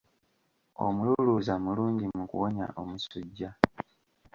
Omululuuza mulungi mu kuwonya omusujja.